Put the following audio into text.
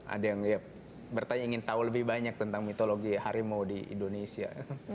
ada yang bertanya ingin tahu lebih banyak tentang mitologi harimau di indonesia